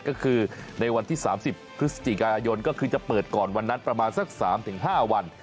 ก็คือในวันที่๓๐พฤศจิกายนก็คือจะเปิดก่อนวันนั้นประมาณสัก๓๕วัน